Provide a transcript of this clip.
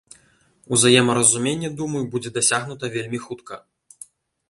Узаемаразуменне, думаю, будзе дасягнута вельмі хутка.